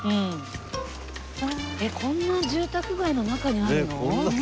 えっこんな住宅街の中にあるの？